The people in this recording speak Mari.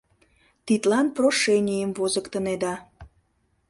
Тидлан прошенийым возыктынеда.